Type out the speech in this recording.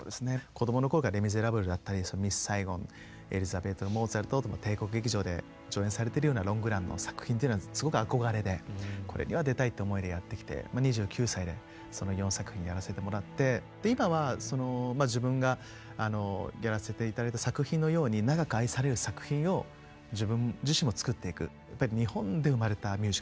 こどもの頃から「レ・ミゼラブル」だったり「ミス・サイゴン」「エリザベート」「モーツァルト！」と帝国劇場で上演されているようなロングランの作品というのはすごく憧れでこれには出たいという思いでやってきて２９歳でその４作品やらせてもらって今はその自分がやらせていただいた作品のようにやっぱりハードルは高いですけど。